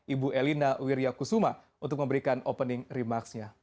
ibu elina wiryakusuma untuk memberikan opening remarks nya